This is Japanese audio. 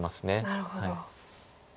なるほど。